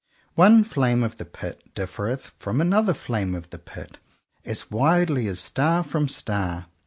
One flame of the Pit differeth from another flame of the Pit as widely as star from star.